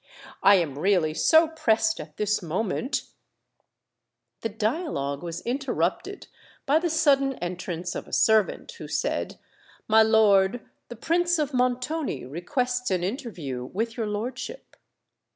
"I am really so pressed at this moment——" The dialogue was interrupted by the sudden entrance of a servant, who said, "My lord, the Prince of Montoni requests an interview with your lordship."